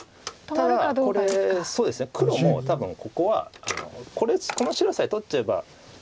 ただこれ黒も多分ここはこの白さえ取っちゃえば。